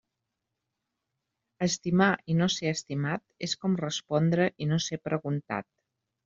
Estimar i no ser estimat és com respondre i no ser preguntat.